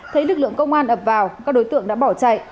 thấy lực lượng công an ập vào các đối tượng đã bỏ chạy